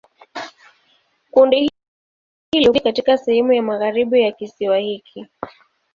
Kundi hili hupatikana zaidi katika sehemu ya magharibi ya kisiwa hiki.